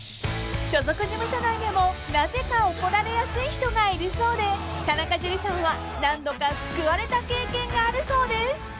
［所属事務所内でもなぜか怒られやすい人がいるそうで田中樹さんは何度か救われた経験があるそうです］